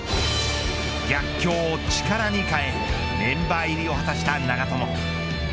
逆境を力に変えメンバー入りを果たした長友。